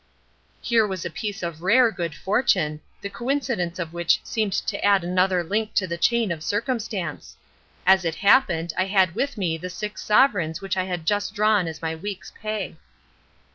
Here was a piece of rare good fortune, the coincidence of which seemed to add another link to the chain of circumstance. As it happened I had with me the six sovereigns which I had just drawn as my week's pay.